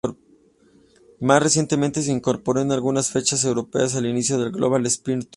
Más recientemente, se incorporó en algunas fechas europeas al inicio del Global Spirit Tour.